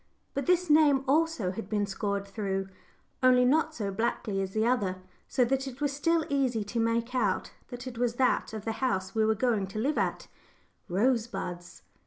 But this name also had been scored through, only not so blackly as the other, so that it was still easy to make out that it was that of the house we were going to live at: "Rosebuds."